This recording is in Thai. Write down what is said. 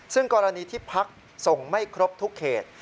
ซึ่งกรณีที่พักส่งไม่ครบทุกเขต